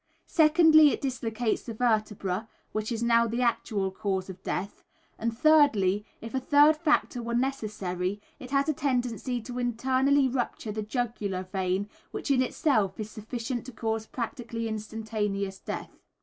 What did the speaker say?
Secondly, it dislocates the vertebra, which is now the actual cause of death. And thirdly, if a third factor were necessary, it has a tendency to internally rupture the jugular vein, which in itself is sufficient to cause practically instantaneous death.